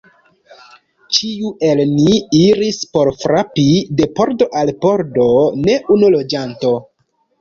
Ĉiu el ni iris por frapi de pordo al pordo: ne unu loĝanto.